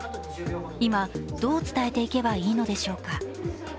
今、どう伝えていけばいいのでしょうか。